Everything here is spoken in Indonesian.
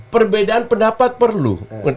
perbedaan pendapat perlu